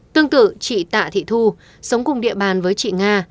tương tự chị tạ thị thu sống cùng địa bàn với chị nga